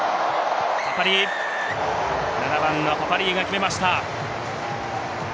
７番のパパリィイが決めました。